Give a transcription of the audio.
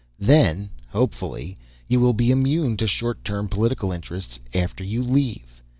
Then hopefully you will be immune to short term political interests after you leave.